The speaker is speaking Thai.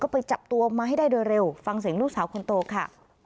ไปจับตัวมาให้ได้โดยเร็วฟังเสียงลูกสาวคนโตค่ะ